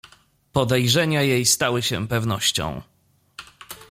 "Podejrzenia jej stały się pewnością."